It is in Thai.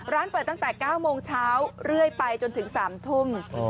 ร้านเปิดตั้งแต่เก้าโมงเช้าเรื่อยไปจนถึงสามทุ่ม